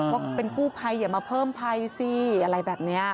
ว่าเป็นกู้ภัยอย่ามาเพิ่มภัยสิอะไรแบบนี้